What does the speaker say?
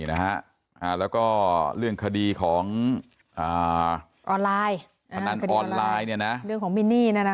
แล้วก็เรื่องคดีของคณะออนไลน์เรื่องของมินี่